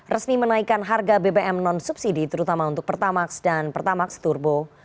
resmi menaikkan harga bbm non subsidi terutama untuk pertamax dan pertamax turbo